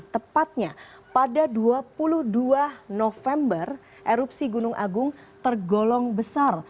tepatnya pada dua puluh dua november erupsi gunung agung tergolong besar